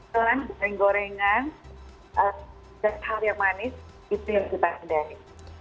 selain goreng gorengan dan hal yang manis itu yang kita hindari